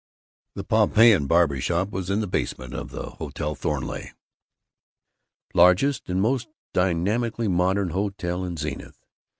The Pompeian Barber Shop was in the basement of the Hotel Thornleigh, largest and most dynamically modern hotel in Zenith.